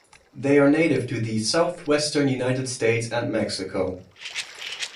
They are native to the southwestern United States and Mexico.